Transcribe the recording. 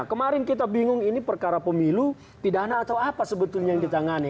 kemarin kita bingung ini perkara pemilu pidana atau apa sebetulnya yang ditangani